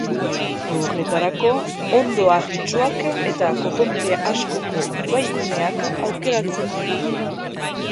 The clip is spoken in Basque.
Horretarako, hondo harritsuak eta korronte askoko ibai guneak aukeratzen ditu.